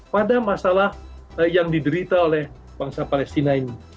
pada masalah yang diderita oleh bangsa palestina ini